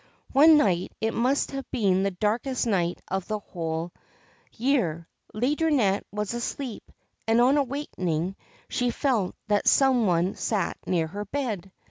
One night it must have been the darkest night of the whole year Laideronnette was asleep, and, on awakening, she felt that some one sat near her bed.